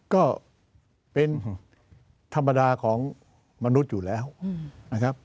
ก็เป็นธรรมดาของมนุษย์อยู่แล้วนะครับ